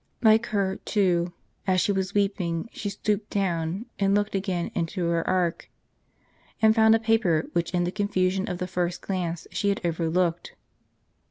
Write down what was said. Like her, too, " as she was weep ing she stooped down and looked" again into her ark, and found a paper, which in the confusion of the first glance she had overlooked.